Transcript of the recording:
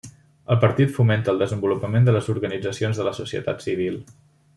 El partit fomenta el desenvolupament de les organitzacions de la societat civil.